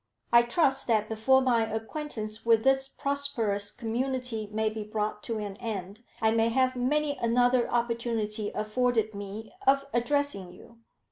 I trust that before my acquaintance with this prosperous community may be brought to an end, I may have many another opportunity afforded me of addressing you.